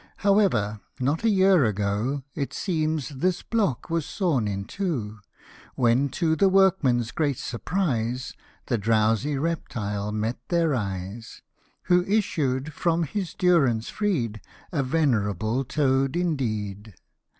However, not a year ago, It seems this block was sawn in two ; When, to the workmen's great surprise, The drowsy reptile met their eyes, Who issued, from his durance freed, A venerable toad indeed.